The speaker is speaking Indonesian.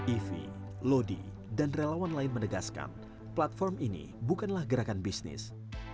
ivi lodi dan relawan lain menegaskan platform ini bukanlah gerakan bisnis